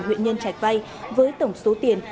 huyện nhơn trạch vây với tổng số tiền